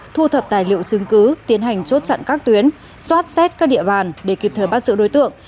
thu thập tài liệu chứng cứ tiến hành chốt chặn các tuyến xoát xét các địa bàn để kịp thời bắt giữ đối tượng